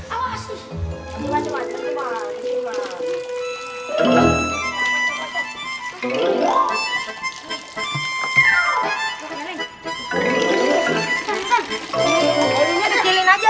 airnya dikecilin aja